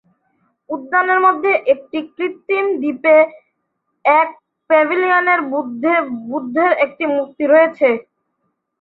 উদ্যানের মধ্যে একটি কৃত্রিম দ্বীপে এক প্যাভিলিয়নে বুদ্ধের একটি মূর্তি রয়েছে।